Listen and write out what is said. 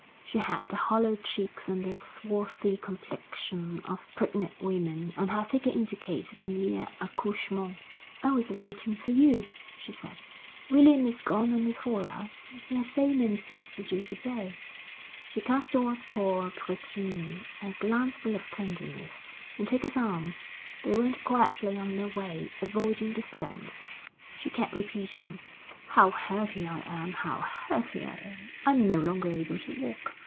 She had the hollow cheeks and the swarthy complexion of pregnant women; and her figure indicated a near accouchement. "I was waiting for you," she said. "William is gone on before us. He has so many things to do to day." She cast toward Paul Bretigny a glance full of tenderness, and took his arm. They went quietly on their way, avoiding the stones. She kept repeating: "How heavy I am! How heavy I am! I am no longer able to walk.